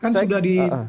kan sudah di